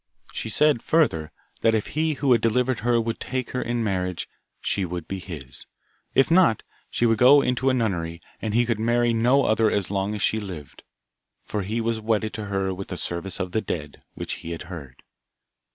She said further, that if he who had delivered her would take her in marriage, she would be his. If not, she would go into a nunnery, and he could marry no other as long as she lived, for he was wedded to her with the service of the dead, which he had heard.